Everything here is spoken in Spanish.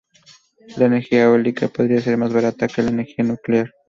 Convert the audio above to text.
La energía eólica podría ser más barata que la energía nuclear.